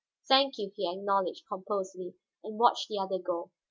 "Thank you," he acknowledged composedly, and watched the other go.